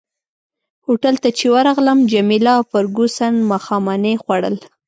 هوټل ته چي ورغلم جميله او فرګوسن ماښامنۍ خوړل.